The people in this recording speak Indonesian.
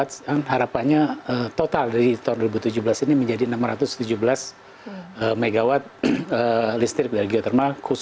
harapannya total dari tahun dua ribu tujuh belas ini menjadi enam ratus tujuh belas megawatt listrik geothermal